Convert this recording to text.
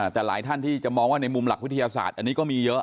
แต่หลายท่านที่จะมองว่าในมุมหลักวิทยาศาสตร์อันนี้ก็มีเยอะ